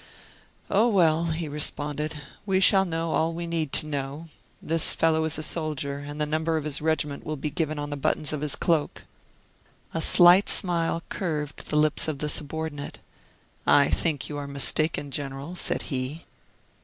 "Oh, well," he responded, "we shall know all we need to know. This fellow is a soldier, and the number of his regiment will be given on the buttons of his cloak." A slight smile curved the lips of the subordinate. "I think you are mistaken, General," said he.